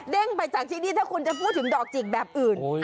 ไปจากที่นี่ถ้าคุณจะพูดถึงดอกจิกแบบอื่น